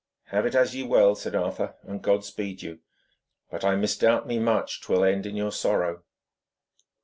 'Have it as ye will,' said Arthur, 'and God speed you. But I misdoubt me much 'twill end in your sorrow.'